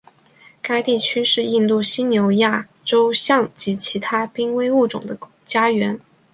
该地区是印度犀牛亚洲象和其他濒危物种的家园。